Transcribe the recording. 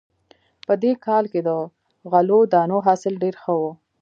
په دې کال کې د غلو دانو حاصل ډېر ښه و